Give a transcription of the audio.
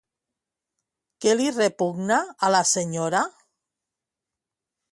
Què li repugna a la senyora?